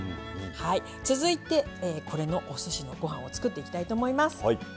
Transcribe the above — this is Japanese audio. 続いてこれのおすしのご飯を作っていきたいと思います。